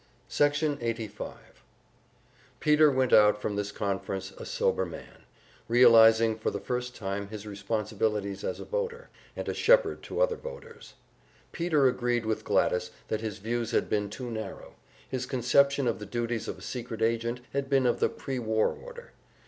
Section 85 Peter went out from this conference a sober man, realizing for the first time his responsibilities as a voter, and a shepherd to other voters. Peter agreed with Gladys that his views had been too narrow; his conception of the duties of a secret agent had been of the pre war order.